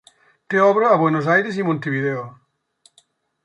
Té obra a Buenos Aires i Montevideo.